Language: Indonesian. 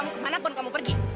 kamu kemana pun kamu pergi